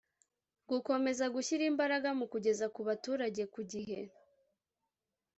gukomeza gushyira imbaraga mu kugeza ku baturage ku gihe